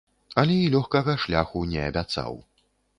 Але і лёгкага шляху не абяцаў.